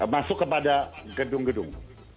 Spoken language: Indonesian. masuk kepada gedung gedung